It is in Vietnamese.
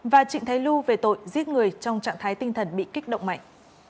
và trịnh thái lu về tội giết người trong trạng thái tinh thần bị kích động mạnh